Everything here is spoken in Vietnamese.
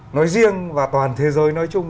nói riêng và toàn thế giới nói chung